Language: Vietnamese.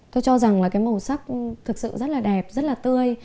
tôi cho rằng là cái màu sắc thực sự rất là đẹp rất là tươi